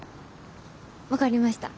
分かりました。